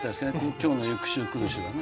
今日の「ゆく週くる週」はね。